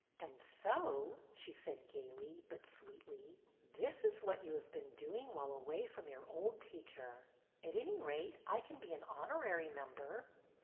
O " And so," she said gayly but sweetly, " this is what you have been doing while away from your old teacher. At any rate I can be an honorary member."